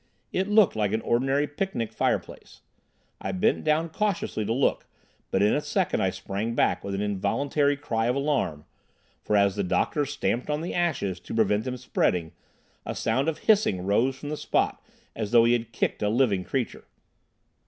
It looked like an ordinary picnic fireplace. I bent down cautiously to look, but in a second I sprang back with an involuntary cry of alarm, for, as the doctor stamped on the ashes to prevent them spreading, a sound of hissing rose from the spot as though he had kicked a living creature.